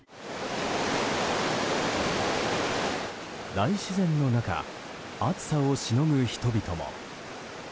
大自然の中暑さをしのぐ人々も。